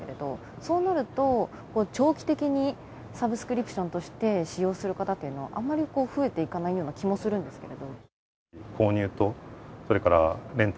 そうなると長期的にサブスクリプションとして使用する方っていうのは、あんまり増えていかないような気がするんですけど。